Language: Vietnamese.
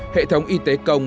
hệ thống y tế công